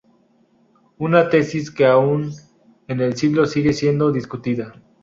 Una tesis que aún en el siglo sigue siendo discutida.